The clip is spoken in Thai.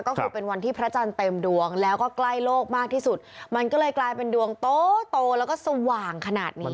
ก็คือเป็นวันที่พระจันทร์เต็มดวงแล้วก็ใกล้โลกมากที่สุดมันก็เลยกลายเป็นดวงโตแล้วก็สว่างขนาดนี้